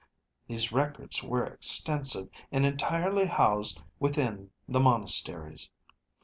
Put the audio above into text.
These records were extensive, and entirely housed within the monasteries.